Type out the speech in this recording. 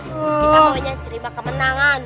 kita maunya menerima kemenangan